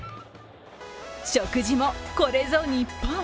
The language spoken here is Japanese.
食事も、これぞ日本。